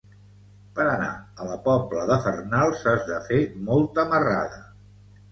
Per anar a la Pobla de Farnals has de fer molta marrada.